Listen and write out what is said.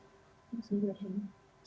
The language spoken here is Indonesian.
terima kasih bapak